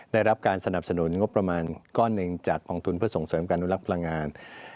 ได้รับการสนับสนุนงบประมาณก้อนหนึ่งจากกองทุนเพื่อส่งเสริมการอนุรักษ์พลังงาน